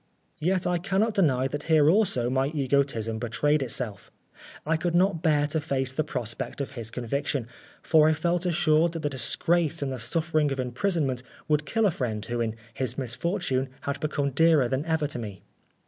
Yet I cannot deny that here also my egotism betrayed itself. I could not bear to face the prospect of his conviction, for I felt assured that the disgrace and the suffering of imprisonment 159 Oscar Wilde would kill a friend who in his misfortune had become dearer than ever to me.